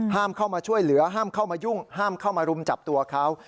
เข้ามาช่วยเหลือห้ามเข้ามายุ่งห้ามเข้ามารุมจับตัวเขา